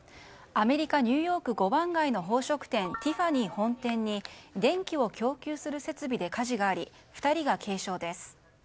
アメリカ・ニューヨーク５番街の宝飾店ティファニー本店に電気を供給する設備で火事があり２人が軽傷です。